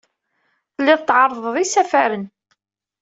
Telliḍ tɛerrḍeḍ isafaren.